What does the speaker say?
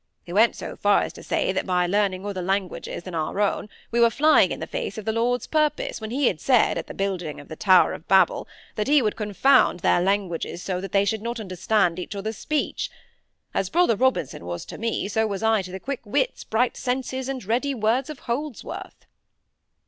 He went so far as to say that by learning other languages than our own, we were flying in the face of the Lord's purpose when He had said, at the building of the Tower of Babel, that He would confound their languages so that they should not understand each other's speech. As Brother Robinson was to me, so was I to the quick wits, bright senses, and ready words of Holdsworth."